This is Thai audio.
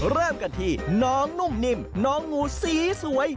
เริ่มกันที่น้องนุ่มนิ่มน้องงูสีสวย